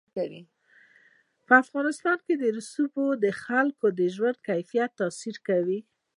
په افغانستان کې رسوب د خلکو د ژوند کیفیت تاثیر کوي.